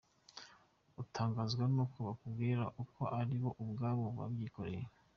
Utangazwa n’uko bakubwira ko ari bo ubwabo babyikoreye.